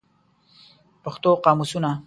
پښتو قاموسونه